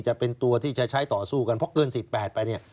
จะเป็นตัวที่จะใช้ต่อสู้กันเพราะเกิน๑๘ไปเนี่ย